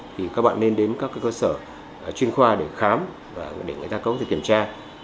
thì các bạn nên đến các cơ sở chuyên khoa để khám và để người ta có thể kiểm tra